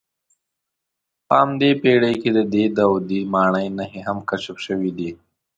په همدې پېړۍ کې د دې داودي ماڼۍ نښې هم کشف شوې دي.